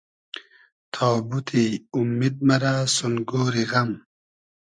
تابوتی اومید مئرۂ سون گۉری غئم